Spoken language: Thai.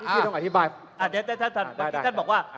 เดี๋ยวท่านบอกว่า